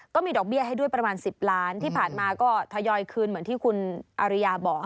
ก็มีดอกเบี้ยให้ด้วยประมาณ๑๐ล้านที่ผ่านมาก็ทยอยคืนเหมือนที่คุณอริยาบอก